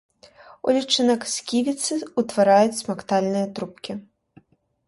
У лічынак сківіцы ўтвараюць смактальныя трубкі.